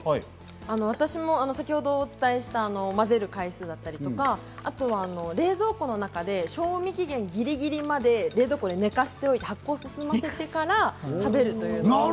私も先程お伝えした混ぜる回数だったり、あとは冷蔵庫の中で賞味期限ぎりぎりまで冷蔵庫に寝かしておいて発酵を進ませてから食べる。